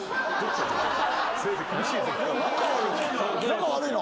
仲悪いの？